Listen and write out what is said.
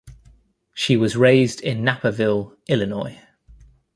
She was raised in Naperville, Illinois.